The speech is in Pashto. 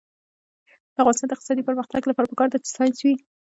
د افغانستان د اقتصادي پرمختګ لپاره پکار ده چې ساینس وي.